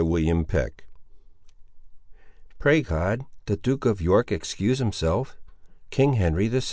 CHAPTER XII Pray God the Duke of York excuse himself! —King Henry VI.